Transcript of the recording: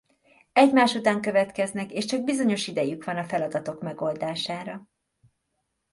Egymás után következnek és csak bizonyos idejük van a feladatok megoldására.